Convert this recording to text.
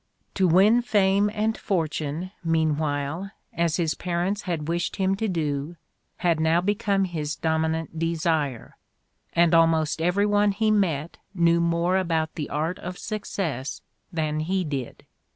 To win fame and fortune, meanwhile, as his parents had wished him to do, had now become his dominant desire, and almost every one he met knew more about the art of success than he did.